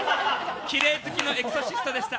きれい好きのエクソシストでした。